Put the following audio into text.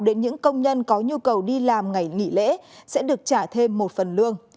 đến những công nhân có nhu cầu đi làm ngày nghỉ lễ sẽ được trả thêm một phần lương